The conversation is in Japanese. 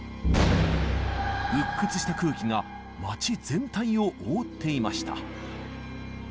鬱屈とした空気が街全体を覆っていました。